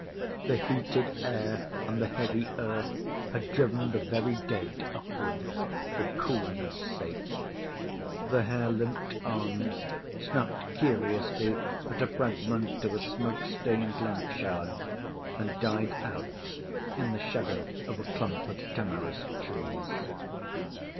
The heated air and the heavy earth had driven the very dead upward for coolness’ sake. The hare limped on; snuffed curiously at a fragment of a smoke stained lamp shard, and died out, in the shadow of a clump of tamarisk trees.